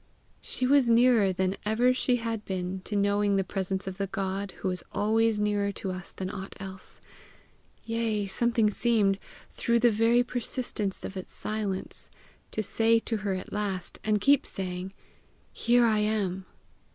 She was nearer than ever she had been to knowing the presence of the God who is always nearer to us than aught else. Yea, something seemed, through the very persistence of its silence, to say to her at last, and keep saying, "Here I am!"